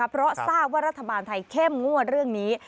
เพราะทราบว่ารัฐบาลไทยเข้มงวดเรื่องนี้